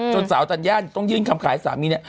จนสาวธัญญาต้องยื่นคำขายสามี